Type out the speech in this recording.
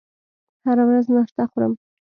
هره ورځ ناشته خورم